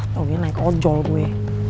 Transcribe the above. tau dia naik ojol gue